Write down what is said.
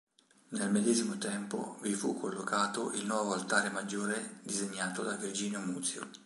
Nel medesimo tempo vi fu collocato il nuovo altare maggiore disegnato da Virginio Muzio.